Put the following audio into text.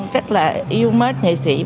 rất là yêu mết nghệ sĩ